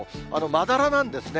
まだらなんですね。